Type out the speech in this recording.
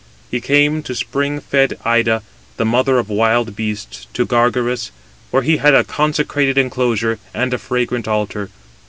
He came to spring fed Ida, the mother of wild beasts, to Gargarus, where he had a consecrated enclosure, and a fragrant altar.